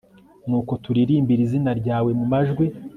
nuko turirimbire izina ryawe mu majwi